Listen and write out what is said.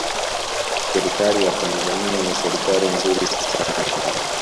serikali ya tanzania ni serikali nzuri sana